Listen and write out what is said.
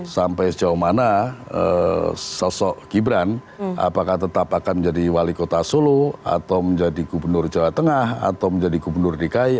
sampai sejauh mana sosok gibran apakah tetap akan menjadi wali kota solo atau menjadi gubernur jawa tengah atau menjadi gubernur dki